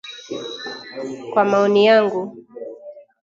kwa maoni yangu